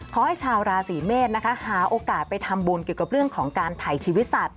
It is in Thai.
ชาวราศีเมษนะคะหาโอกาสไปทำบุญเกี่ยวกับเรื่องของการถ่ายชีวิตสัตว